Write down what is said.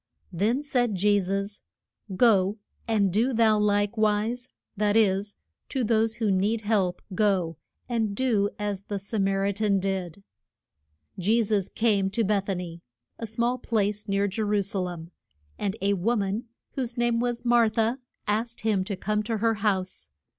Then said Je sus, Go, and do thou like wise; that is, to those who need help go and do as the Sa mar i tan did. Je sus came to Beth a ny a small place near Je ru sa lem and a wo man, whose name was Mar tha, asked him to come to her house.